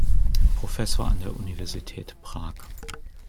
Professor an der Universität Prag.